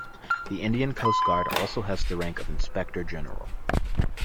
The Indian Coast Guard also has the rank of inspector general.